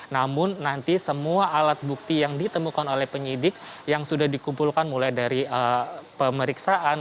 namun nanti semua alat bukti yang ditemukan oleh penyidik yang sudah dikumpulkan mulai dari pemeriksaan